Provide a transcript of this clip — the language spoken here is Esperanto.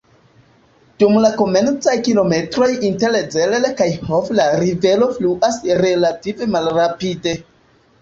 Dum la komencaj kilometroj inter Zell kaj Hof la rivero fluas relative malrapide.